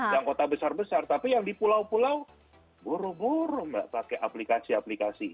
yang kota besar besar tapi yang di pulau pulau buru buru mbak pakai aplikasi aplikasi